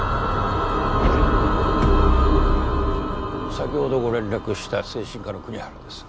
先ほどご連絡した精神科の国原です。